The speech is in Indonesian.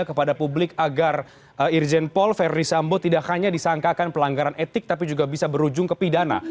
kepada publik agar irjen paul verdi sambo tidak hanya disangkakan pelanggaran etik tapi juga bisa berujung ke pidana